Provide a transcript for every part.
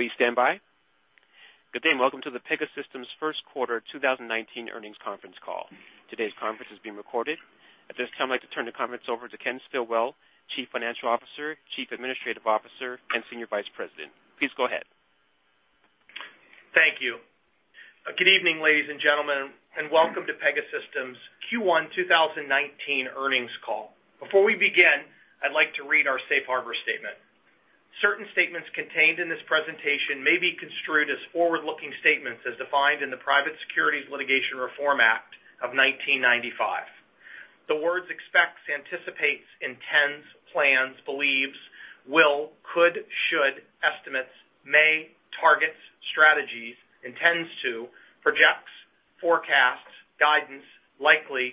Please stand by. Good day. Welcome to the Pegasystems first quarter 2019 earnings conference call. Today's conference is being recorded. At this time, I'd like to turn the conference over to Ken Stillwell, Chief Financial Officer, Chief Administrative Officer, and Senior Vice President. Please go ahead. Thank you. Good evening, ladies and gentlemen. Welcome to Pegasystems Q1 2019 earnings call. Before we begin, I'd like to read our safe harbor statement. Certain statements contained in this presentation may be construed as forward-looking statements as defined in the Private Securities Litigation Reform Act of 1995. The words expects, anticipates, intends, plans, believes, will, could, should, estimates, may, targets, strategies, intends to, projects, forecasts, guidance, likely,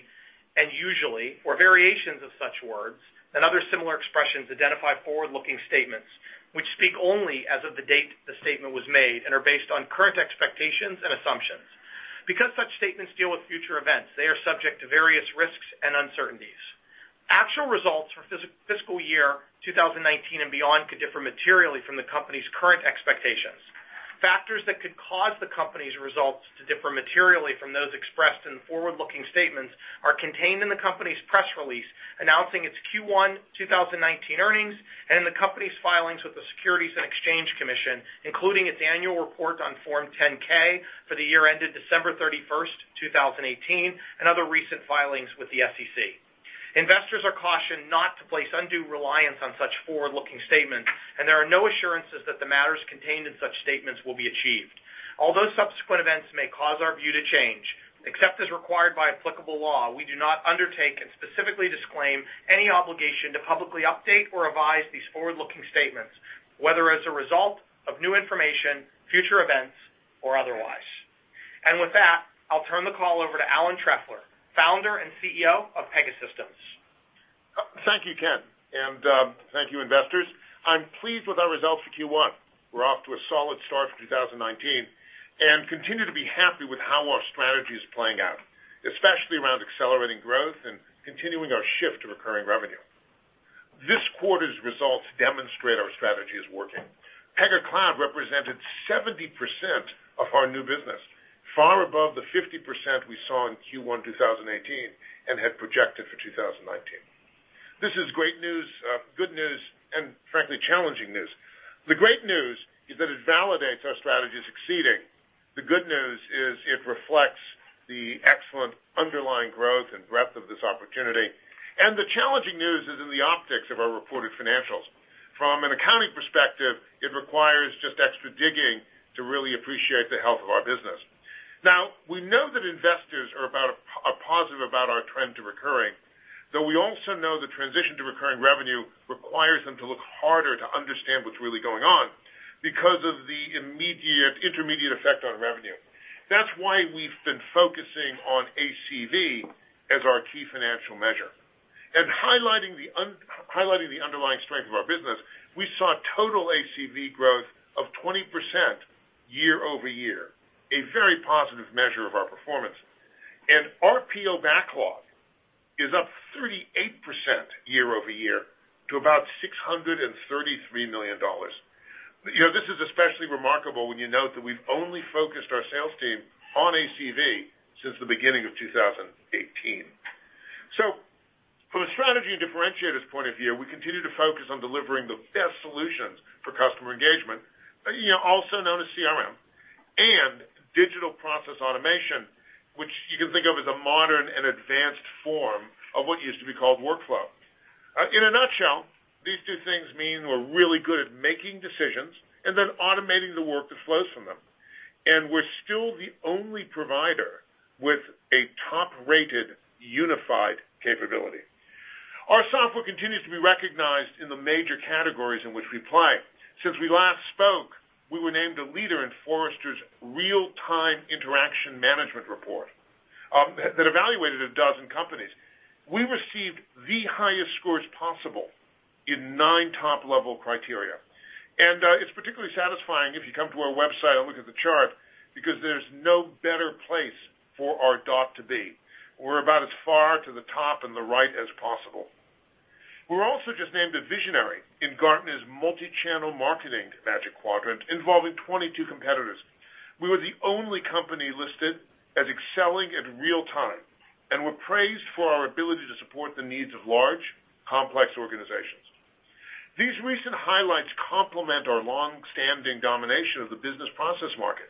and usually, or variations of such words, and other similar expressions identify forward-looking statements, which speak only as of the date the statement was made and are based on current expectations and assumptions. Because such statements deal with future events, they are subject to various risks and uncertainties. Actual results for fiscal year 2019 and beyond could differ materially from the company's current expectations. Factors that could cause the company's results to differ materially from those expressed in the forward-looking statements are contained in the company's press release announcing its Q1 2019 earnings and in the company's filings with the Securities and Exchange Commission, including its annual report on Form 10-K for the year ended December 31st, 2018, and other recent filings with the SEC. Investors are cautioned not to place undue reliance on such forward-looking statements. There are no assurances that the matters contained in such statements will be achieved. Although subsequent events may cause our view to change, except as required by applicable law, we do not undertake and specifically disclaim any obligation to publicly update or revise these forward-looking statements, whether as a result of new information, future events, or otherwise. With that, I'll turn the call over to Alan Trefler, Founder and CEO of Pegasystems. Thank you, Ken. Thank you, investors. I'm pleased with our results for Q1. We're off to a solid start for 2019 and continue to be happy with how our strategy is playing out, especially around accelerating growth and continuing our shift to recurring revenue. This quarter's results demonstrate our strategy is working. Pega Cloud represented 70% of our new business, far above the 50% we saw in Q1 2018 and had projected for 2019. This is great news, good news, and frankly, challenging news. The great news is that it validates our strategy is succeeding. The good news is it reflects the excellent underlying growth and breadth of this opportunity. The challenging news is in the optics of our reported financials. From an accounting perspective, it requires just extra digging to really appreciate the health of our business. Now, we know that investors are positive about our trend to recurring, though we also know the transition to recurring revenue requires them to look harder to understand what's really going on because of the intermediate effect on revenue. That's why we've been focusing on ACV as our key financial measure. Highlighting the underlying strength of our business, we saw total ACV growth of 20% year-over-year, a very positive measure of our performance. RPO backlog is up 38% year-over-year to about $633 million. This is especially remarkable when you note that we've only focused our sales team on ACV since the beginning of 2018. From a strategy and differentiators point of view, we continue to focus on delivering the best solutions for customer engagement, also known as CRM, and digital process automation, which you can think of as a modern and advanced form of what used to be called workflow. In a nutshell, these two things mean we're really good at making decisions and then automating the work that flows from them. We're still the only provider with a top-rated unified capability. Our software continues to be recognized in the major categories in which we play. Since we last spoke, we were named a leader in Forrester's Real-Time Interaction Management report that evaluated a dozen companies. We received the highest scores possible in nine top-level criteria. It's particularly satisfying if you come to our website and look at the chart because there's no better place for our dot to be. We're about as far to the top and the right as possible. We were also just named a Visionary in Gartner's Multichannel Marketing Magic Quadrant involving 22 competitors. We were the only company listed as excelling at real-time, and we're praised for our ability to support the needs of large, complex organizations. These recent highlights complement our long-standing domination of the business process market,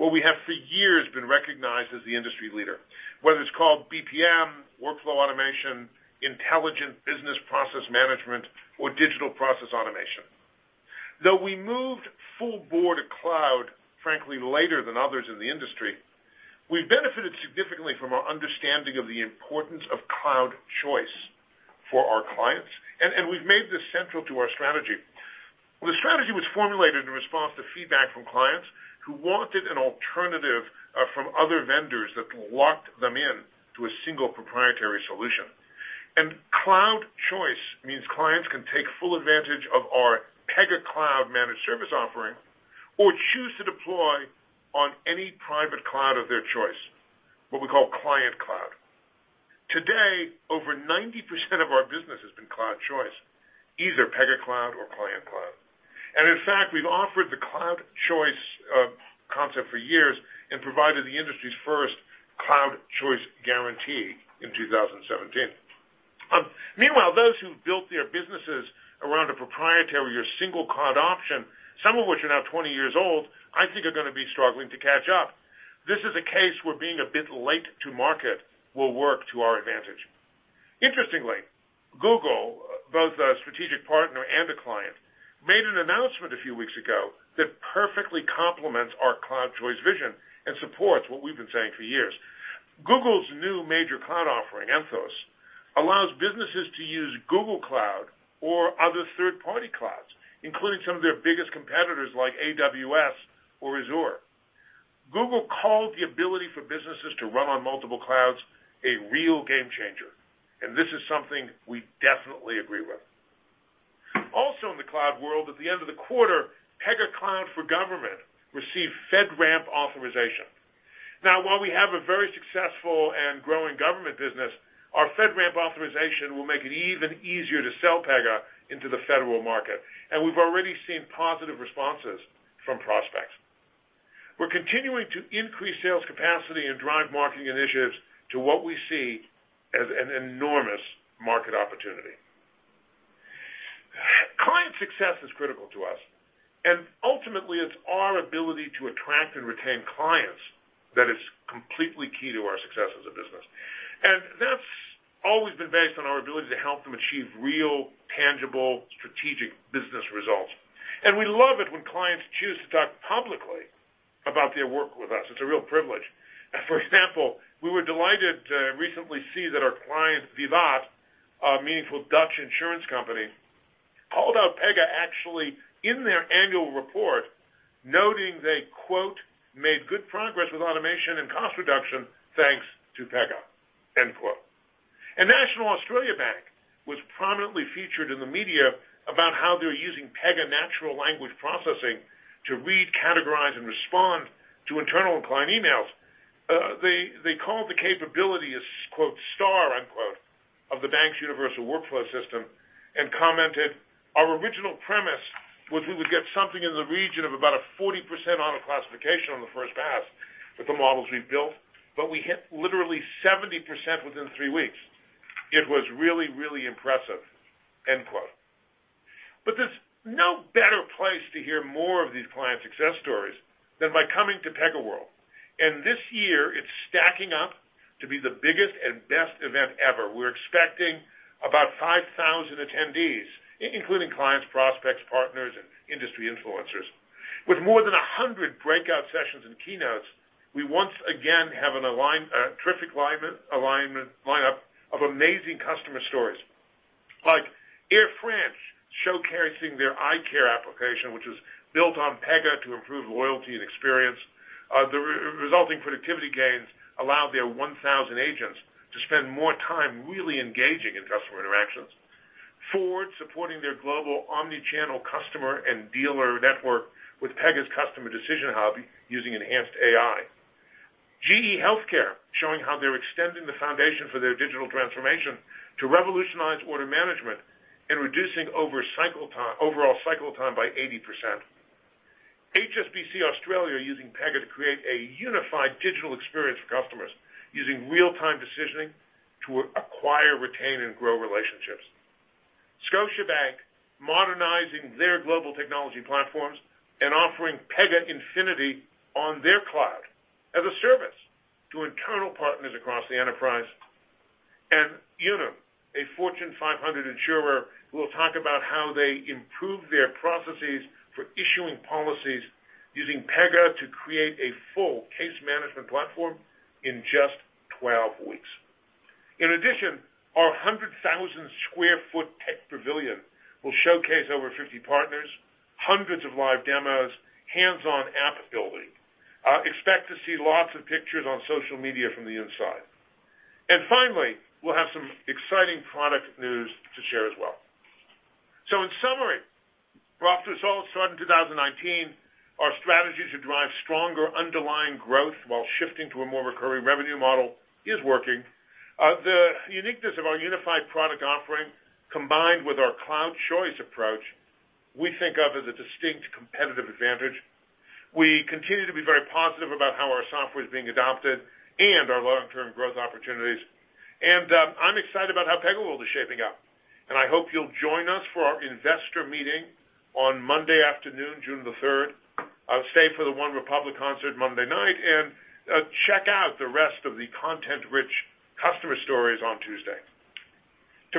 where we have for years been recognized as the industry leader, whether it's called BPM, workflow automation, intelligent business process management, or digital process automation. Though we moved full bore to cloud, frankly, later than others in the industry, we've benefited significantly from our understanding of the importance of cloud choice for our clients, and we've made this central to our strategy. The strategy was formulated in response to feedback from clients who wanted an alternative from other vendors that locked them in to a single proprietary solution. Cloud choice means clients can take full advantage of our Pega Cloud managed service offering or choose to deploy on any private cloud of their choice, what we call Client Cloud. Today, over 90% of our business is in cloud choice, either Pega Cloud or Client Cloud. In fact, we've offered the cloud choice concept for years and provided the industry's first cloud choice guarantee in 2017. Meanwhile, those who've built their businesses around a proprietary or single cloud option, some of which are now 20 years old, I think are going to be struggling to catch up. This is a case where being a bit late to market will work to our advantage. Interestingly, Google, both a strategic partner and a client, made an announcement a few weeks ago that perfectly complements our cloud choice vision and supports what we've been saying for years. Google's new major cloud offering, Anthos, allows businesses to use Google Cloud or other third-party clouds, including some of their biggest competitors like AWS or Azure. Google called the ability for businesses to run on multiple clouds a real game changer, and this is something we definitely agree with. Also in the cloud world, at the end of the quarter, Pega Cloud for Government received FedRAMP authorization. Now, while we have a very successful and growing government business, our FedRAMP authorization will make it even easier to sell Pega into the federal market, and we've already seen positive responses from prospects. We're continuing to increase sales capacity and drive marketing initiatives to what we see as an enormous market opportunity. Client success is critical to us, and ultimately, it's our ability to attract and retain clients that is completely key to our success as a business. That's always been based on our ability to help them achieve real, tangible, strategic business results. We love it when clients choose to talk publicly about their work with us. It's a real privilege. For example, we were delighted to recently see that our client, VIVAT, a meaningful Dutch insurance company, called out Pega actually in their annual report, noting they, "Made good progress with automation and cost reduction, thanks to Pega." National Australia Bank was prominently featured in the media about how they're using Pega natural language processing to read, categorize, and respond to internal client emails. They called the capability a, "Star," of the bank's universal workflow system and commented, "Our original premise was we would get something in the region of about a 40% auto-classification on the first pass with the models we've built, but we hit literally 70% within three weeks. It was really, really impressive." There's no better place to hear more of these client success stories than by coming to PegaWorld. This year it's stacking up to be the biggest and best event ever. We're expecting about 5,000 attendees, including clients, prospects, partners, and industry influencers. With more than 100 breakout sessions and keynotes, we once again have a terrific lineup of amazing customer stories, like Air France showcasing their ICARE application, which was built on Pega to improve loyalty and experience. The resulting productivity gains allowed their 1,000 agents to spend more time really engaging in customer interactions. Ford supporting their global omni-channel customer and dealer network with Pega's Customer Decision Hub using enhanced AI. GE HealthCare showing how they're extending the foundation for their digital transformation to revolutionize order management and reducing overall cycle time by 80%. HSBC Australia using Pega to create a unified digital experience for customers using real-time decisioning to acquire, retain, and grow relationships. Scotiabank modernizing their global technology platforms and offering Pega Infinity on their cloud as a service to internal partners across the enterprise. Unum, a Fortune 500 insurer, will talk about how they improved their processes for issuing policies using Pega to create a full case management platform in just 12 weeks. In addition, our 100,000 sq ft tech pavilion will showcase over 50 partners, hundreds of live demos, hands-on app building. Expect to see lots of pictures on social media from the inside. Finally, we'll have some exciting product news to share as well. In summary, we're off to a solid start in 2019, our strategy to drive stronger underlying growth while shifting to a more recurring revenue model is working. The uniqueness of our unified product offering, combined with our cloud choice approach, we think of as a distinct competitive advantage. We continue to be very positive about how our software is being adopted and our long-term growth opportunities. I'm excited about how PegaWorld is shaping up, and I hope you'll join us for our investor meeting on Monday afternoon, June 3rd. I'll stay for the OneRepublic concert Monday night, and check out the rest of the content-rich customer stories on Tuesday.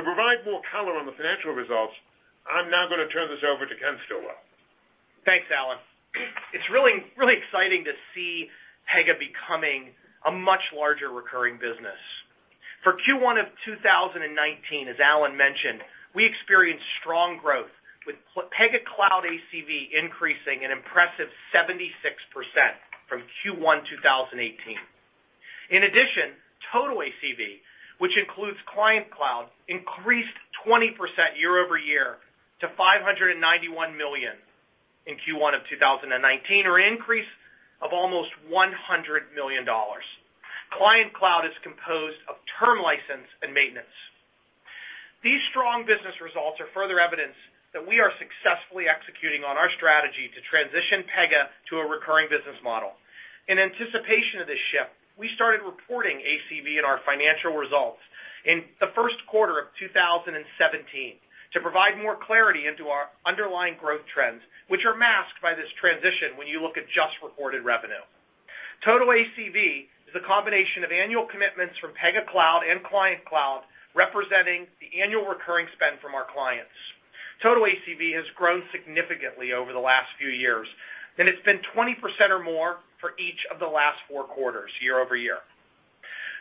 To provide more color on the financial results, I'm now going to turn this over to Ken Stillwell. Thanks, Alan. It's really exciting to see Pega becoming a much larger recurring business. For Q1 2019, as Alan mentioned, we experienced strong growth with Pega Cloud ACV increasing an impressive 76% from Q1 2018. In addition, total ACV, which includes Client Cloud, increased 20% year-over-year to $591 million in Q1 2019, or increase of almost $100 million. Client Cloud is composed of term license and maintenance. These strong business results are further evidence that we are successfully executing on our strategy to transition Pega to a recurring business model. In anticipation of this shift, we started reporting ACV in our financial results in the first quarter 2017 to provide more clarity into our underlying growth trends, which are masked by this transition when you look at just reported revenue. Total ACV is a combination of annual commitments from Pega Cloud and Client Cloud representing the annual recurring spend from our clients. Total ACV has grown significantly over the last few years, and it's been 20% or more for each of the last four quarters year-over-year.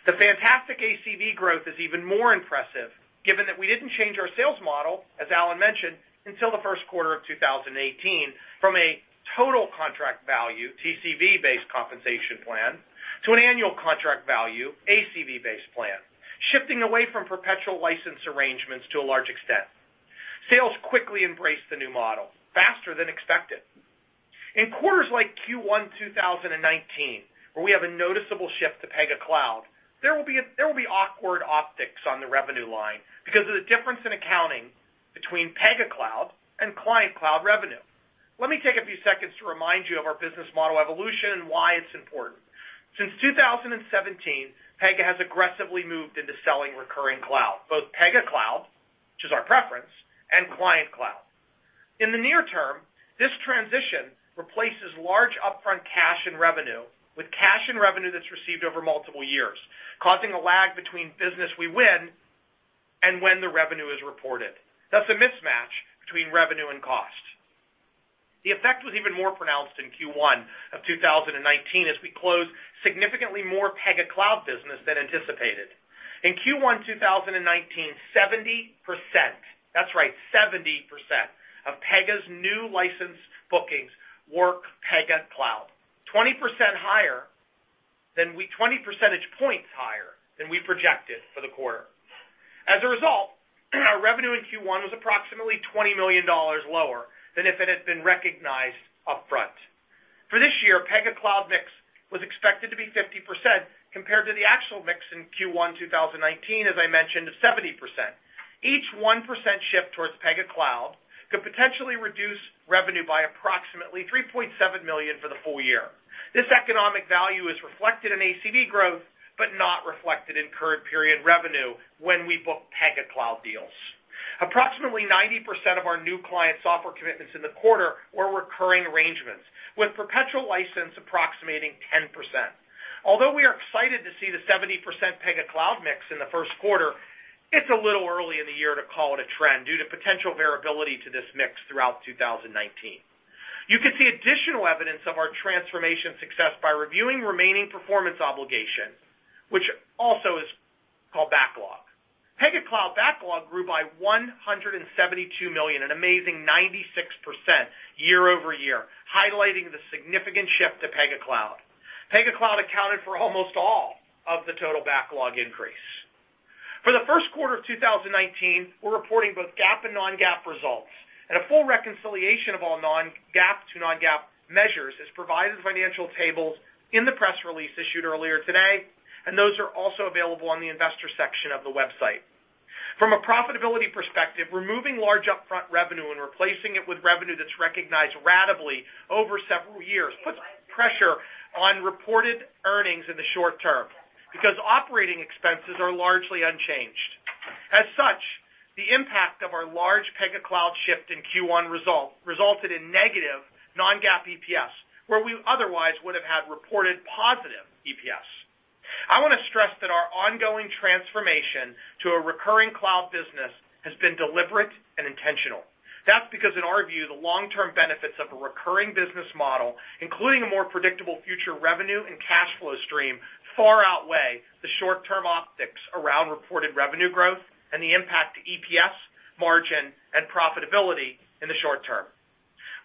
The fantastic ACV growth is even more impressive given that we didn't change our sales model, as Alan mentioned, until the first quarter 2018 from a total contract value, TCV-based compensation plan to an annual contract value, ACV-based plan, shifting away from perpetual license arrangements to a large extent. Sales quickly embraced the new model faster than expected. In quarters like Q1 2019, where we have a noticeable shift to Pega Cloud, there will be awkward optics on the revenue line because of the difference in accounting between Pega Cloud and Client Cloud revenue. Let me take a few seconds to remind you of our business model evolution and why it's important. Since 2017, Pega has aggressively moved into selling recurring cloud, both Pega Cloud, which is our preference, and Client Cloud. In the near term, this transition replaces large upfront cash and revenue with cash and revenue that's received over multiple years, causing a lag between business we win and when the revenue is reported. That's a mismatch between revenue and cost. The effect was even more pronounced in Q1 2019 as we closed significantly more Pega Cloud business than anticipated. In Q1 2019, 70%, that's right, 70% of Pega's new license bookings were Pega Cloud, 20 percentage points higher than we projected for the quarter. As a result, our revenue in Q1 was approximately $20 million lower than if it had been recognized upfront. For this year, Pega Cloud mix was expected to be 50% compared to the actual mix in Q1 2019, as I mentioned, of 70%. Each 1% shift towards Pega Cloud could potentially reduce revenue by approximately $3.7 million for the full year. This economic value is reflected in ACV growth but not reflected in current period revenue when we book Pega Cloud deals. Approximately 90% of our new client software commitments in the quarter were recurring arrangements, with perpetual license approximating 10%. Although we are excited to see the 70% Pega Cloud mix in the first quarter, it's a little early in the year to call it a trend due to potential variability to this mix throughout 2019. You can see additional evidence of our transformation success by reviewing remaining performance obligations, which also is called backlog. Pega Cloud backlog grew by $172 million, an amazing 96% year-over-year, highlighting the significant shift to Pega Cloud. Pega Cloud accounted for almost all of the total backlog increase. For the first quarter of 2019, we're reporting both GAAP and non-GAAP results. A full reconciliation of all GAAP to non-GAAP measures is provided in the financial tables in the press release issued earlier today, and those are also available on the investor section of the website. From a profitability perspective, removing large upfront revenue and replacing it with revenue that's recognized ratably over several years puts pressure on reported earnings in the short term because operating expenses are largely unchanged. As such, the impact of our large Pega Cloud shift in Q1 resulted in negative non-GAAP EPS, where we otherwise would have had reported positive EPS. I want to stress that our ongoing transformation to a recurring cloud business has been deliberate and intentional. That's because in our view, the long-term benefits of a recurring business model, including a more predictable future revenue and cash flow stream, far outweigh the short-term optics around reported revenue growth and the impact to EPS margin and profitability in the short term.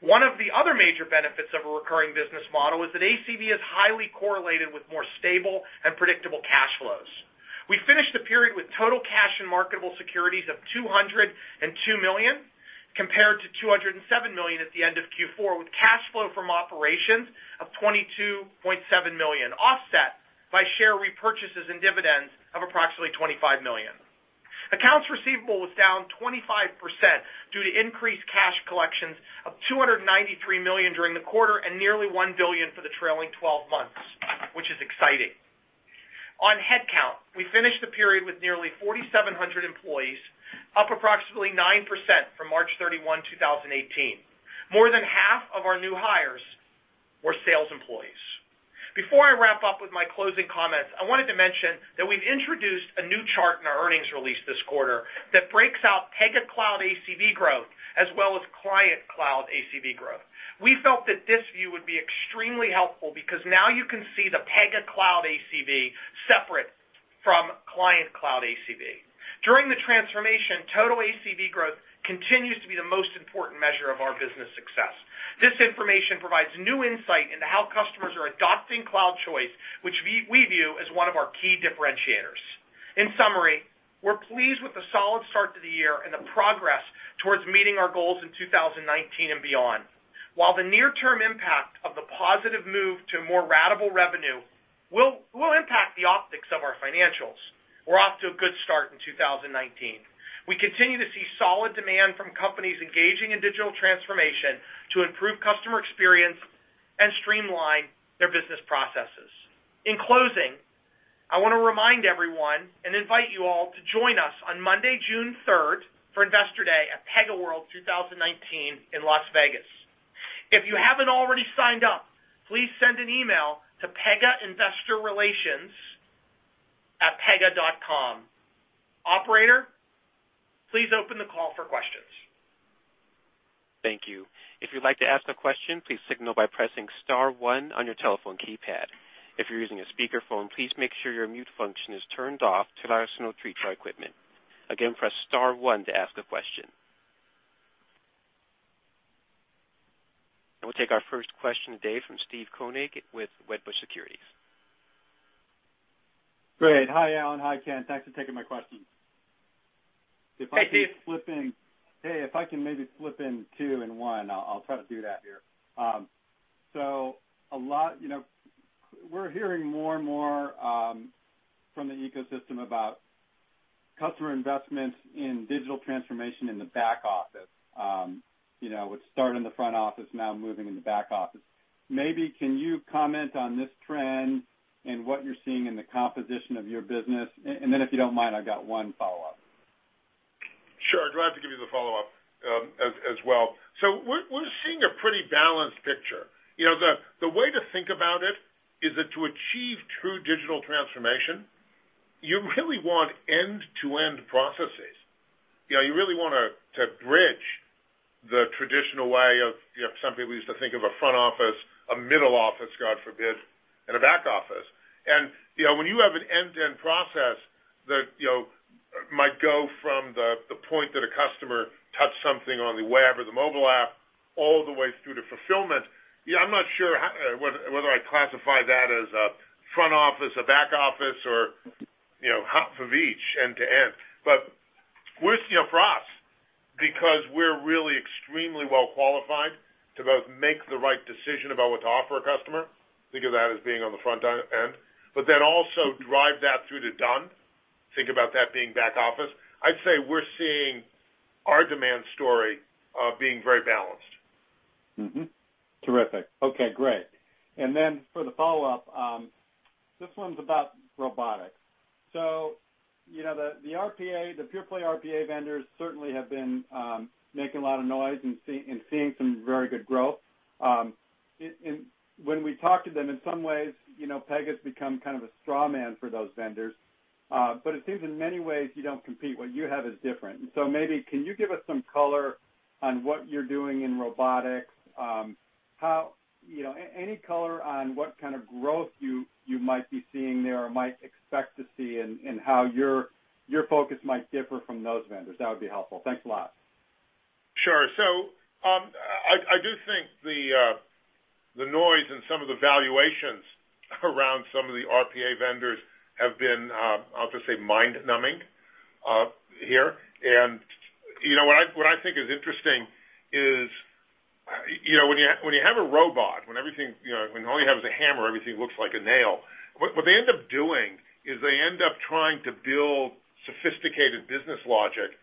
One of the other major benefits of a recurring business model is that ACV is highly correlated with more stable and predictable cash flows. We finished the period with total cash and marketable securities of $202 million compared to $207 million at the end of Q4, with cash flow from operations of $22.7 million offset by share repurchases and dividends of approximately $25 million. Accounts receivable was down 25% due to increased cash collections of $293 million during the quarter and nearly $1 billion for the trailing 12 months, which is exciting. On headcount, we finished the period with nearly 4,700 employees, up approximately 9% from March 31, 2018. More than half of our new hires were sales employees. Before I wrap up with my closing comments, I wanted to mention that we've introduced a new chart in our earnings release this quarter that breaks out Pega Cloud ACV growth as well as Client Cloud ACV growth. We felt that this view would be extremely helpful because now you can see the Pega Cloud ACV separate from Client Cloud ACV. During the transformation, total ACV growth continues to be the most important measure of our business success. This information provides new insight into how customers are adopting cloud choice, which we view as one of our key differentiators. In summary, we're pleased with the solid start to the year and the progress towards meeting our goals in 2019 and beyond. While the near-term impact of the positive move to more ratable revenue will impact the optics of our financials, we're off to a good start in 2019. We continue to see solid demand from companies engaging in digital transformation to improve customer experience and streamline their business processes. In closing, I want to remind everyone and invite you all to join us on Monday, June 3rd for Investor Day at PegaWorld 2019 in Las Vegas. If you haven't already signed up, please send an email to pegainvestorrelations@pega.com. Operator, please open the call for questions. Thank you. If you'd like to ask a question, please signal by pressing star one on your telephone keypad. If you're using a speakerphone, please make sure your mute function is turned off to allow us to not mute your equipment. Again, press star one to ask a question. We'll take our first question of the day from Steve Koenig with Wedbush Securities. Great. Hi, Alan. Hi, Ken. Thanks for taking my questions. Hey, Steve. Hey, if I can maybe slip in two in one, I'll try to do that here. We're hearing more and more from the ecosystem about customer investments in digital transformation in the back office. It started in the front office, now moving in the back office. Maybe can you comment on this trend and what you're seeing in the composition of your business? If you don't mind, I've got one follow-up. Sure. I'd like to give you the follow-up as well. We're seeing a pretty balanced picture. The way to think about it is that to achieve true digital transformation, you really want end-to-end processes. You really want to bridge the traditional way of some people used to think of a front office, a middle office, God forbid, and a back office. When you have an end-to-end process that might go from the point that a customer touched something on the web or the mobile app all the way through to fulfillment, I'm not sure whether I'd classify that as a front office, a back office, or half of each end to end. For us, because we're really extremely well qualified to both make the right decision about what to offer a customer, think of that as being on the front end, but then also drive that through to done, think about that being back office, I'd say we're seeing our demand story being very balanced. Terrific. Okay, great. For the follow-up, this one's about robotics. The pure play RPA vendors certainly have been making a lot of noise and seeing some very good growth. When we talk to them, in some ways, Pega's become kind of a straw man for those vendors. It seems in many ways you don't compete. What you have is different. Maybe, can you give us some color on what you're doing in robotics? Any color on what kind of growth you might be seeing there or might expect to see, and how your focus might differ from those vendors? That would be helpful. Thanks a lot. Sure. I do think the noise and some of the valuations around some of the RPA vendors have been, I'll just say, mind-numbing here. What I think is interesting is when you have a robot, when all you have is a hammer, everything looks like a nail. What they end up doing is they end up trying to build sophisticated business logic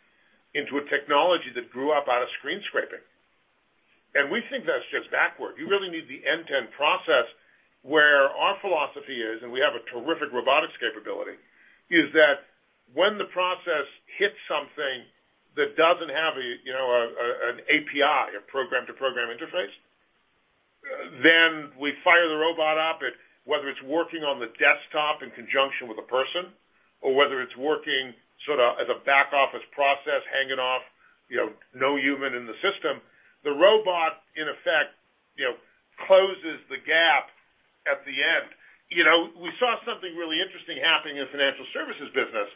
into a technology that grew up out of screen scraping. We think that's just backward. You really need the end-to-end process where our philosophy is, and we have a terrific robotics capability, is that when the process hits something that doesn't have an API, a program-to-program interface, then we fire the robot up, whether it's working on the desktop in conjunction with a person, or whether it's working sort of as a back-office process hanging off no human in the system. The robot, in effect, closes the gap at the end. We saw something really interesting happening in the financial services business,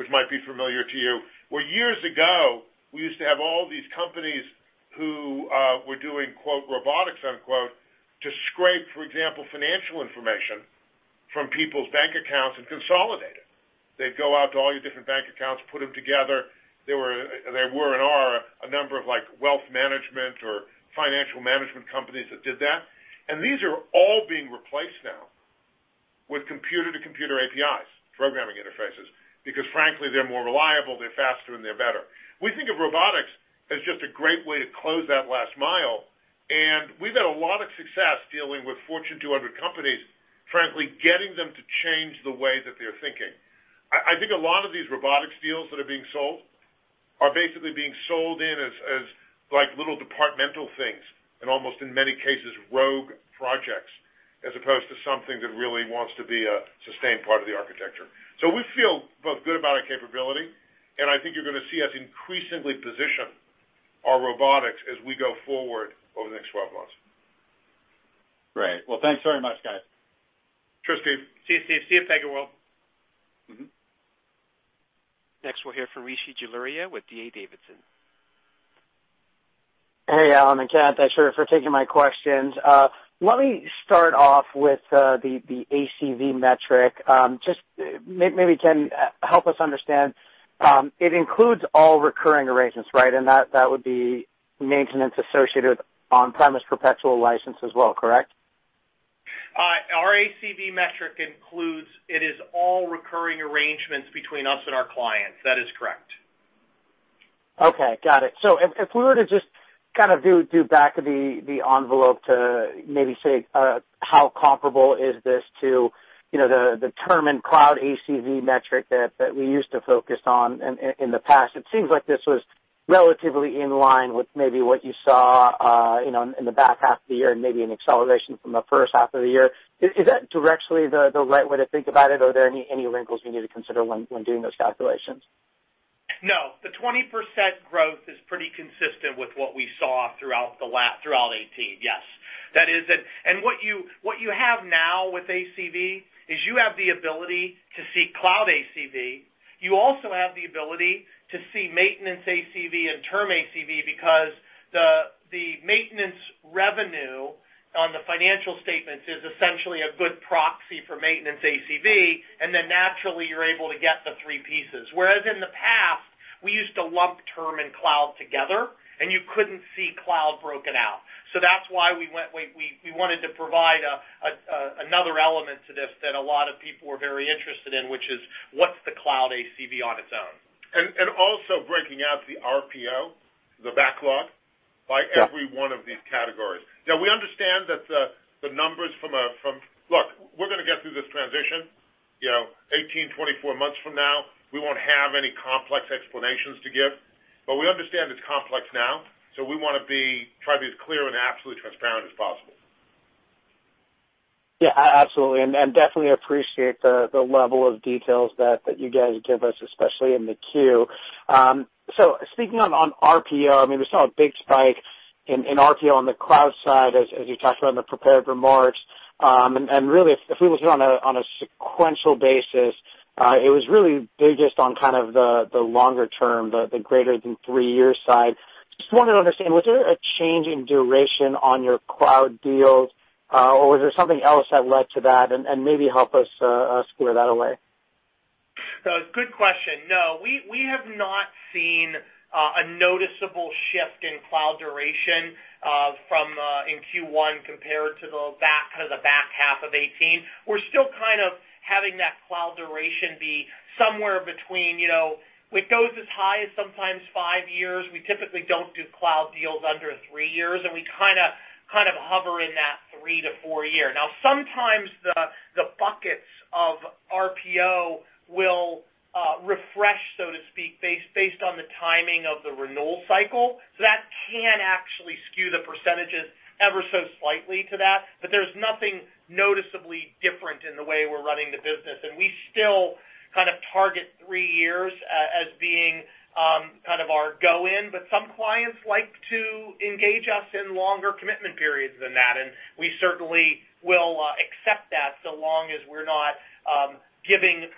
which might be familiar to you, where years ago, we used to have all these companies who were doing, "robotics," to scrape, for example, financial information from people's bank accounts and consolidate it. They'd go out to all your different bank accounts, put them together. There were and are a number of wealth management or financial management companies that did that. These are all being replaced now with computer-to-computer APIs, programming interfaces, because frankly, they're more reliable, they're faster, and they're better. We think of robotics as just a great way to close that last mile, and we've had a lot of success dealing with Fortune 200 companies, frankly, getting them to change the way that they're thinking. I think a lot of these robotics deals that are being sold are basically being sold in as like little departmental things, and almost in many cases, rogue projects, as opposed to something that really wants to be a sustained part of the architecture. We feel both good about our capability, and I think you're going to see us increasingly position our robotics as we go forward over the next 12 months. Great. Well, thanks very much, guys. Sure, Steve. See you, Steve. See you at PegaWorld. Next, we'll hear from Rishi Jaluria with D.A. Davidson. Hey, Alan and Ken, thanks for taking my questions. Let me start off with the ACV metric. Just maybe, Ken, help us understand. It includes all recurring arrangements, right? That would be maintenance associated on-premise perpetual license as well, correct? Our ACV metric, it is all recurring arrangements between us and our clients. That is correct. Okay. Got it. If we were to just kind of do back of the envelope to maybe say how comparable is this to determine cloud ACV metric that we used to focus on in the past. It seems like this was relatively in line with maybe what you saw in the back half of the year and maybe an acceleration from the first half of the year. Is that directly the right way to think about it, or are there any wrinkles we need to consider when doing those calculations? No, the 20% growth is pretty consistent with what we saw throughout 2018, yes. What you have now with ACV is you have the ability to see cloud ACV. You also have the ability to see maintenance ACV and term ACV because the maintenance revenue on the financial statements is essentially a good proxy for maintenance ACV, and then naturally, you're able to get the three pieces. Whereas in the past, we used to lump term and cloud together, and you couldn't see cloud broken out. That's why we wanted to provide another element to this that a lot of people were very interested in, which is what's the cloud ACV on its own. Also breaking out the RPO, the backlog by every one of these categories. We understand that. Look, we're going to get through this transition. 18, 24 months from now, we won't have any complex explanations to give. We understand it's complex now, so we want to try to be as clear and absolutely transparent as possible. Yeah, absolutely. Definitely appreciate the level of details that you guys give us, especially in the queue. Speaking on RPO, I mean, we saw a big spike in RPO on the cloud side as you talked about in the prepared remarks. Really, if we look at it on a sequential basis, it was really biggest on kind of the longer term, the greater than three-year side. Just wanted to understand, was there a change in duration on your cloud deals, or was there something else that led to that? Maybe help us square that away. Good question. No, we have not seen a noticeable shift in cloud duration in Q1 compared to the back half of 2018. We're still kind of having that cloud duration be somewhere between. It goes as high as sometimes five years. We typically don't do cloud deals under three years, and we kind of hover in that three to four year. Sometimes the buckets of RPO will refresh, so to speak, based on the timing of the renewal cycle. That can actually skew the percentages ever so slightly to that. There's nothing noticeably different in the way we're running the business. We still kind of target three years as being our go-in. Some clients like to engage us in longer commitment periods than that, and we certainly will accept that so long as we're not giving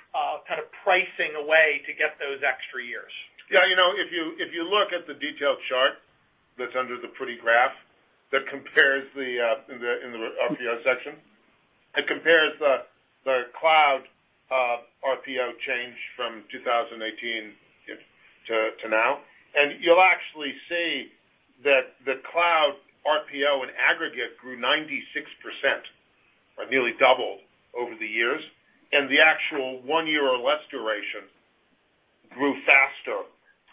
pricing away to get those extra years. Yeah. If you look at the detailed chart that's under the pretty graph in the RPO section, it compares the cloud RPO change from 2018 to now. You'll actually see that the cloud RPO in aggregate grew 96%, or nearly double over the years. The actual one year or less duration grew faster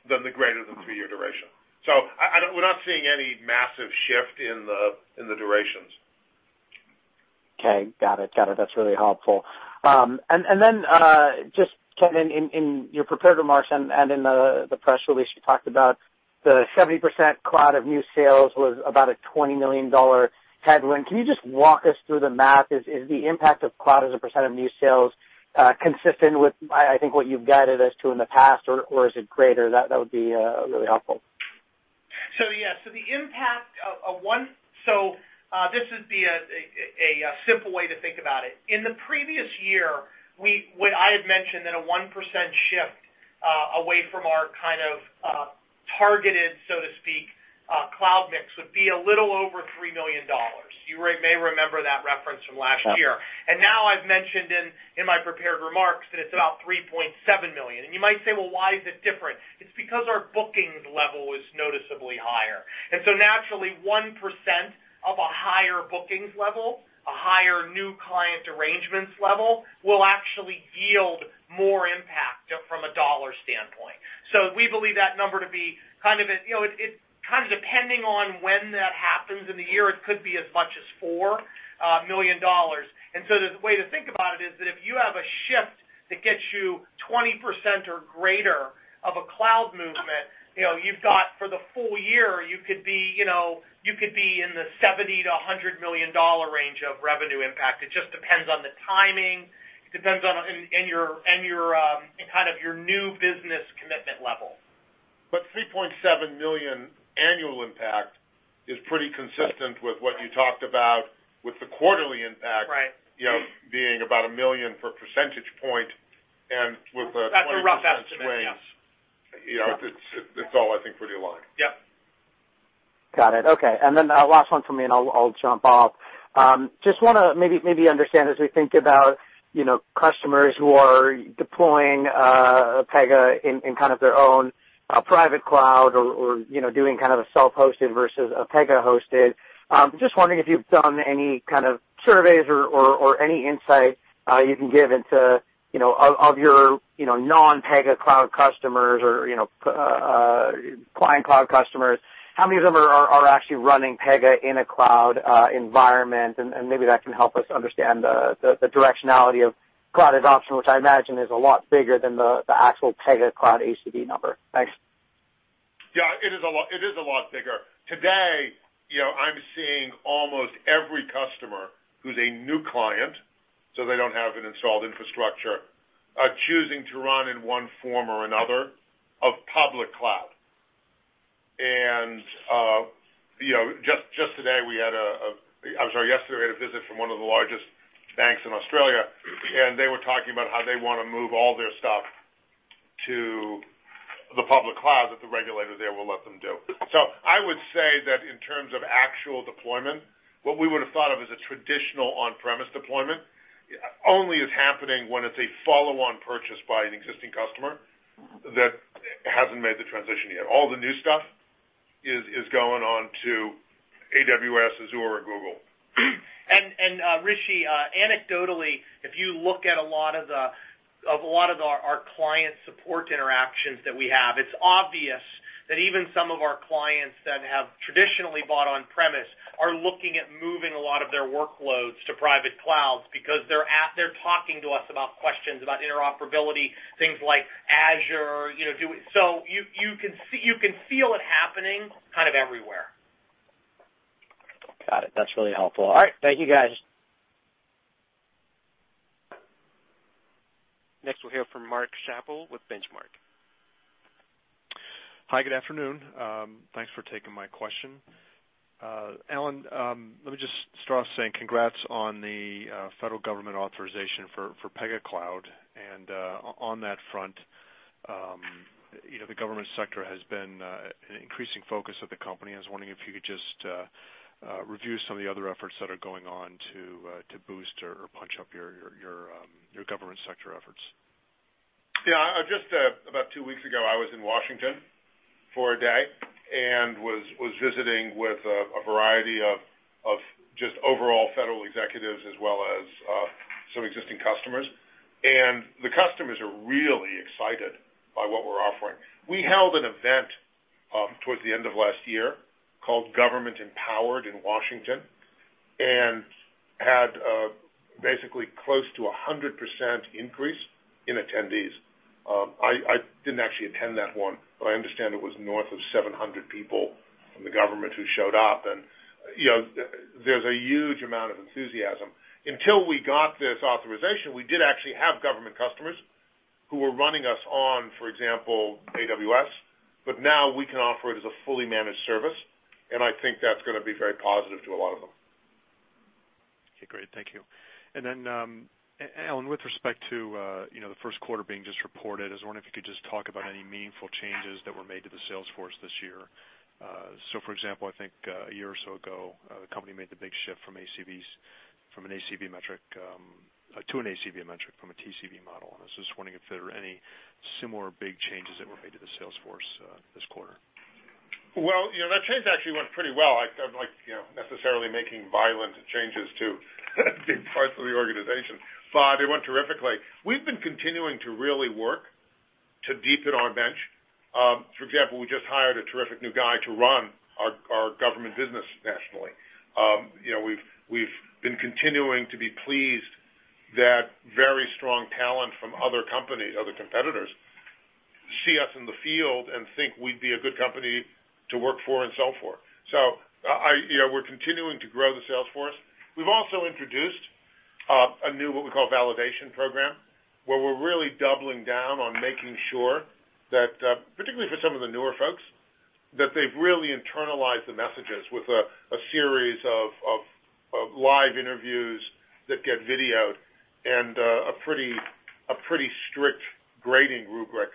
than the greater than three-year duration. We're not seeing any massive shift in the durations. Okay. Got it. That's really helpful. Just, Ken, in your prepared remarks and in the press release, you talked about the 70% cloud of new sales was about a $20 million headwind. Can you just walk us through the math? Is the impact of cloud as a percent of new sales consistent with, I think, what you've guided us to in the past, or is it greater? That would be really helpful. Yeah. This is a simple way to think about it. In the previous year, I had mentioned that a 1% shift away from our kind of targeted, so to speak, cloud mix would be a little over $3 million. You may remember that reference from last year. Yeah. Now I've mentioned in my prepared remarks that it's about $3.7 million. You might say, "Well, why is it different?" It's because our bookings level is noticeably higher. Naturally, 1% of a higher bookings level, a higher new client arrangements level, will actually yield more impact from a dollar standpoint. We believe that number to be kind of depending on when that happens in the year, it could be as much as $4 million. The way to think about it is that if you have a shift that gets you 20% or greater of a cloud movement, you've got for the full year, you could be in the $70 million-$100 million range of revenue impact. It just depends on the timing. It depends on your new business commitment level. $3.7 million annual impact is pretty consistent with what you talked about with the quarterly impact being about $1 million for a percentage point. With the 20% raise. That's a rough estimate, yeah. It's all, I think, pretty aligned. Yep. Got it. Okay. Last one from me, and I'll jump off. Just want to maybe understand, as we think about customers who are deploying Pega in their own private cloud or doing a self-hosted versus a Pega-hosted. Just wondering if you've done any kind of surveys or any insight you can give of your non-Pega Cloud customers or Client Cloud customers, how many of them are actually running Pega in a cloud environment? Maybe that can help us understand the directionality of cloud adoption, which I imagine is a lot bigger than the actual Pega Cloud ACV number. Thanks. Yeah, it is a lot bigger. Today, I'm seeing almost every customer who's a new client, so they don't have an installed infrastructure, choosing to run in one form or another of public cloud. Just today, we had a, I'm sorry, yesterday, we had a visit from one of the largest banks in Australia, and they were talking about how they want to move all their stuff to the public cloud, that the regulator there will let them do. I would say that in terms of actual deployment, what we would've thought of as a traditional on-premise deployment, only is happening when it's a follow-on purchase by an existing customer that hasn't made the transition yet. All the new stuff is going onto AWS, Azure, or Google. Rishi, anecdotally, if you look at a lot of our client support interactions that we have, it's obvious that even some of our clients that have traditionally bought on-premise are looking at moving a lot of their workloads to private clouds because they're talking to us about questions about interoperability, things like Azure. You can feel it happening kind of everywhere. Got it. That's really helpful. All right. Thank you, guys. Next, we'll hear from Mark Schappel with Benchmark. Hi, good afternoon. Thanks for taking my question. Alan, let me just start off saying congrats on the federal government authorization for Pega Cloud. On that front, the government sector has been an increasing focus of the company. I was wondering if you could just review some of the other efforts that are going on to boost or punch up your government sector efforts. Yeah. Just about two weeks ago, I was in Washington for a day and was visiting with a variety of just overall federal executives as well as some existing customers, and the customers are really excited by what we're offering. We held an event towards the end of last year called Government Empowered in Washington and had basically close to 100% increase in attendees. I didn't actually attend that one, but I understand it was north of 700 people from the government who showed up, and there's a huge amount of enthusiasm. Until we got this authorization, we did actually have government customers who were running us on, for example, AWS, but now we can offer it as a fully managed service, and I think that's going to be very positive to a lot of them. Okay, great. Thank you. Alan, with respect to the first quarter being just reported, I was wondering if you could just talk about any meaningful changes that were made to the sales force this year. For example, I think a year or so ago, the company made the big shift to an ACV metric from a TCV model. I was just wondering if there are any similar big changes that were made to the sales force this quarter. That change actually went pretty well. I don't like necessarily making violent changes to big parts of the organization, but it went terrifically. We've been continuing to really work to deepen our bench. We just hired a terrific new guy to run our government business nationally. We've been continuing to be pleased that very strong talent from other companies, other competitors, see us in the field and think we'd be a good company to work for and sell for. We're continuing to grow the sales force. We've also introduced a new, what we call validation program, where we're really doubling down on making sure that, particularly for some of the newer folks, that they've really internalized the messages with a series of live interviews that get videoed and a pretty strict grading rubric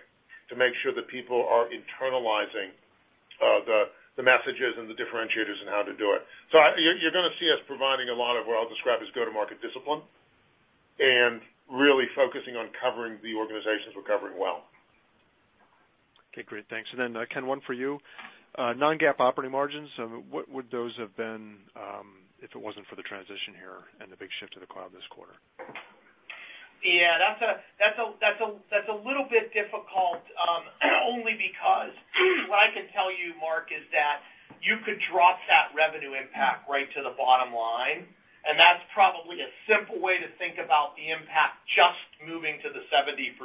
to make sure that people are internalizing the messages and the differentiators and how to do it. You're going to see us providing a lot of what I'll describe as go-to-market discipline and really focusing on covering the organizations we're covering well. Okay, great. Thanks. Ken, one for you. Non-GAAP operating margins, what would those have been, if it wasn't for the transition here and the big shift to the cloud this quarter? Yeah. That's a little bit difficult, only because what I can tell you, Mark, is that you could drop that revenue impact right to the bottom line, and that's probably a simple way to think about the impact, just moving to the 70%,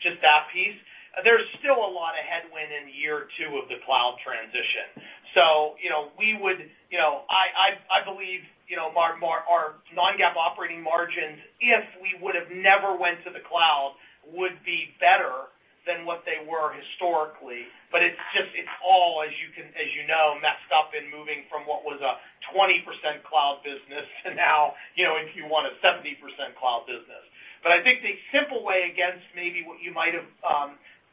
just that piece. There's still a lot of headwind in year two of the cloud transition. I believe, Mark, our non-GAAP operating margins, if we would have never went to the cloud, would be better than what they were historically, it's all, as you know, messed up in moving from what was a 20% cloud business to now, if you want a 70% cloud business. I think the simple way against maybe what we might have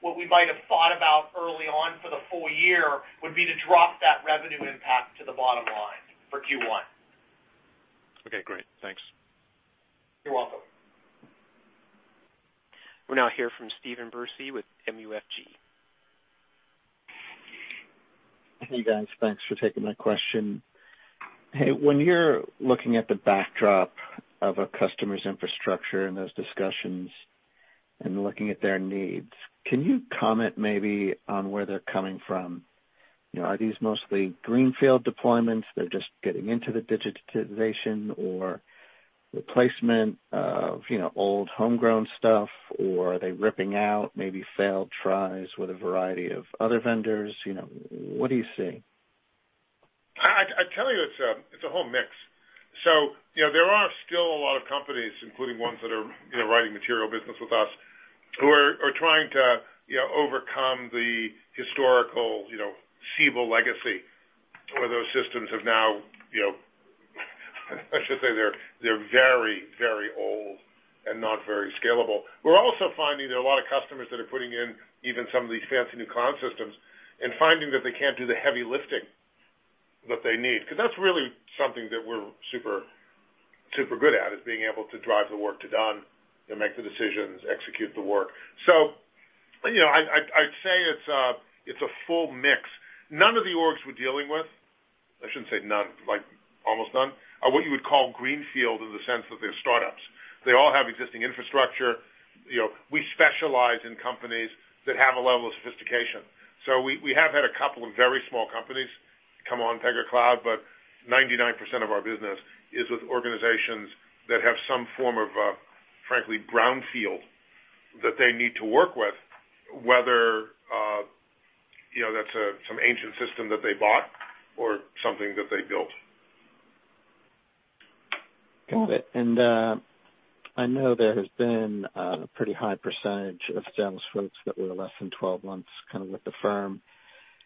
thought about early on for the full year would be to drop that revenue impact to the bottom line for Q1. Okay, great. Thanks. You're welcome. We'll now hear from Stephen Bersey with MUFG. Hey, guys. Thanks for taking my question. Hey, when you're looking at the backdrop of a customer's infrastructure and those discussions and looking at their needs, can you comment maybe on where they're coming from? Are these mostly greenfield deployments, they're just getting into the digitization or replacement of old homegrown stuff, or are they ripping out maybe failed tries with a variety of other vendors? What do you see? I tell you, it's a whole mix. There are still a lot of companies, including ones that are writing material business with us, who are trying to overcome the historical Siebel legacy, where those systems have now, I should say they're very old and not very scalable. We're also finding there are a lot of customers that are putting in even some of these fancy new cloud systems and finding that they can't do the heavy lifting that they need. Because that's really something that we're super good at, is being able to drive the work to done and make the decisions, execute the work. I'd say it's a full mix. None of the orgs we're dealing with, I shouldn't say none, like almost none, are what you would call greenfield in the sense that they're startups. They all have existing infrastructure. We specialize in companies that have a level of sophistication. We have had a couple of very small companies come on Pega Cloud, but 99% of our business is with organizations that have some form of, frankly, brownfield that they need to work with, whether that's some ancient system that they bought or something that they built. Got it. I know there has been a pretty high percentage of sales folks that were less than 12 months kind of with the firm.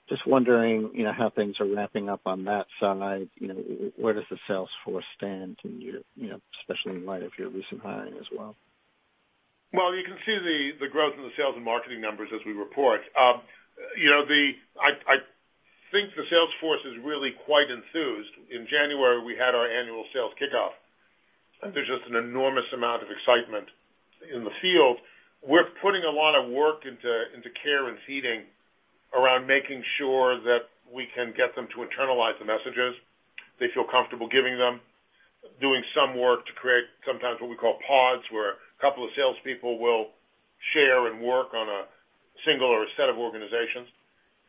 Just wondering how things are ramping up on that side. Where does the sales force stand to you, especially in light of your recent hiring as well? You can see the growth in the sales and marketing numbers as we report. I think the sales force is really quite enthused. In January, we had our annual sales kickoff, and there's just an enormous amount of excitement in the field. We're putting a lot of work into care and feeding around making sure that we can get them to internalize the messages. They feel comfortable giving them, doing some work to create sometimes what we call pods, where a couple of salespeople will share and work on a single or a set of organizations.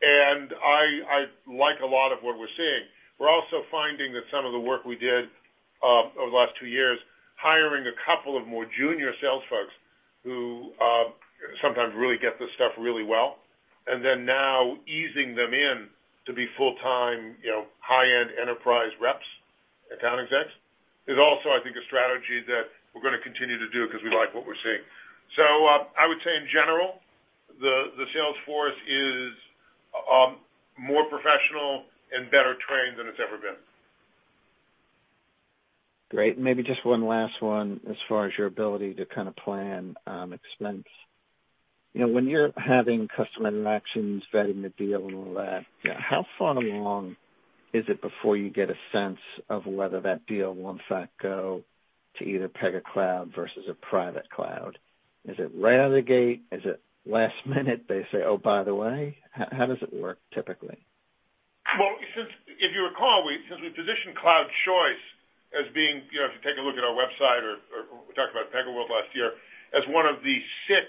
I like a lot of what we're seeing. We're also finding that some of the work we did over the last two years, hiring a couple of more junior sales folks who sometimes really get this stuff really well, and then now easing them in to be full-time, high-end enterprise reps, account execs, is also, I think, a strategy that we're going to continue to do because we like what we're seeing. I would say in general, the sales force is more professional and better trained than it's ever been. Great. Maybe just one last one as far as your ability to kind of plan expense. When you're having customer interactions, vetting the deal and all that, how far along is it before you get a sense of whether that deal will, in fact, go to either Pega Cloud versus a private cloud? Is it right out of the gate? Is it last minute, they say, "Oh, by the way"? How does it work typically? Well, if you recall, since we positioned cloud choice as being, if you take a look at our website or we talked about PegaWorld last year, as one of the six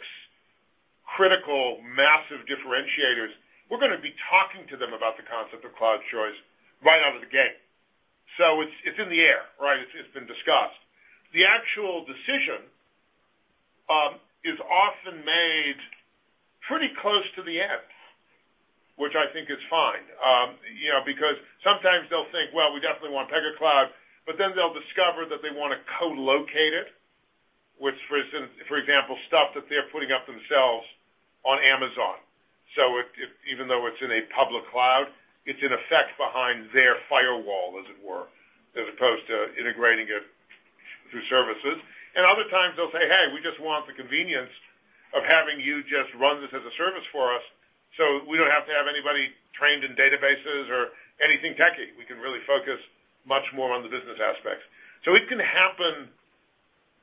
critical, massive differentiators, we're going to be talking to them about the concept of cloud choice right out of the gate. It's in the air, right? It's been discussed. The actual decision is often made pretty close to the end, which I think is fine. Sometimes they'll think, well, we definitely want Pega Cloud, but then they'll discover that they want to co-locate it, which for example, stuff that they're putting up themselves on Amazon. Even though it's in a public cloud, it's in effect behind their firewall, as it were, as opposed to integrating it through services. Other times they'll say, "Hey, we just want the convenience of having you just run this as a service for us, so we don't have to have anybody trained in databases or anything techy." We can really focus much more on the business aspects. It can happen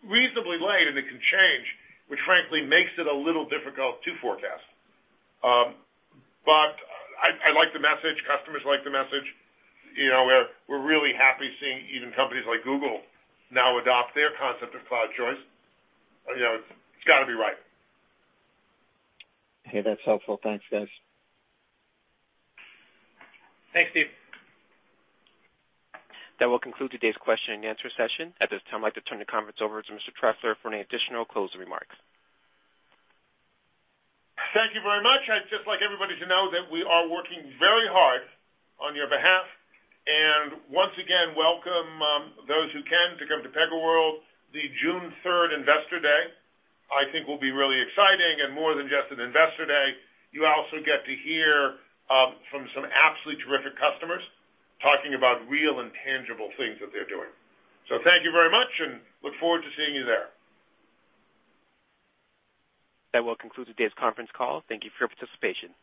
reasonably late, and it can change, which frankly makes it a little difficult to forecast. I like the message. Customers like the message. We're really happy seeing even companies like Google now adopt their concept of cloud choice. It's got to be right. Okay, that's helpful. Thanks, guys. Thanks, Stephen. That will conclude today's question and answer session. At this time, I'd like to turn the conference over to Mr. Trefler for any additional closing remarks. Thank you very much. I'd just like everybody to know that we are working very hard on your behalf. Once again, welcome, those who can, to come to PegaWorld. The June 3rd Investor Day, I think, will be really exciting and more than just an Investor Day. You also get to hear from some absolutely terrific customers talking about real and tangible things that they're doing. Thank you very much, and look forward to seeing you there. That will conclude today's conference call. Thank you for your participation.